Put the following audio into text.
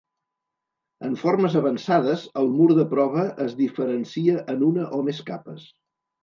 En formes avançades el mur de prova es diferencia en una o més capes.